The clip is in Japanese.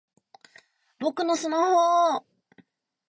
僕のスマホぉぉぉ！